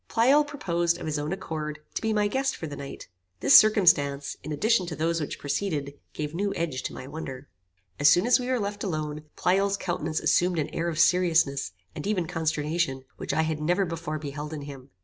Pleyel proposed, of his own accord, to be my guest for the night. This circumstance, in addition to those which preceded, gave new edge to my wonder. As soon as we were left alone, Pleyel's countenance assumed an air of seriousness, and even consternation, which I had never before beheld in him.